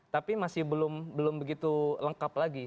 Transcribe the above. tapi masih belum begitu lengkap lagi